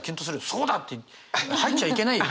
「そうだ！」って入っちゃいけない。